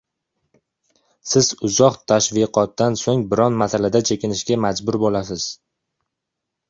Siz uzoq tashviqotdan so‘ng biron masalada chekinishga majbur bo‘lasiz.